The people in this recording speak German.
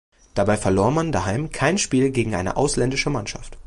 Dabei verlor man daheim kein Spiel gegen eine ausländische Mannschaft.